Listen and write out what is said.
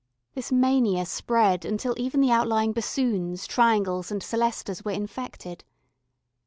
This mania spread until even the outlying bassoons, triangles, and celestas were infected.